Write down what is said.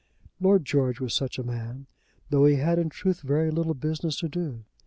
Lord George was such a man, though he had in truth very little business to do.